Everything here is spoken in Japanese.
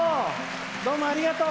どうもありがとう！